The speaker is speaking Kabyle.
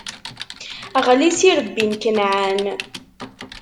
Ɣli s irebbi n Kenɛan.